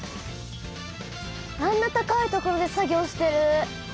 あんな高い所で作業してる。